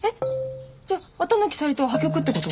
じゃあ綿貫さゆりとは破局ってこと？